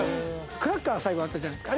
クラッカー最後あったじゃないですか。